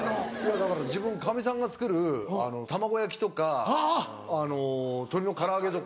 だから自分カミさんが作る卵焼きとかあの鶏の唐揚げとか。